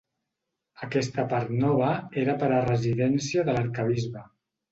Aquesta part nova era per a residència de l'arquebisbe.